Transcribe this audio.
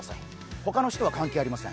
他の人は関係ありません。